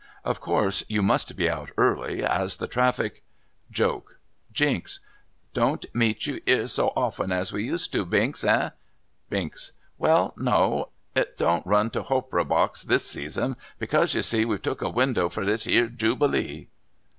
Of course you must be out early. As the traffic...." JOKE Jinks: Don't meet you 'ere so often as we used to, Binks, eh? Binks: Well no. It don't run to Hopera Box this Season, because, you see, we've took a Window for this 'ere Jubilee.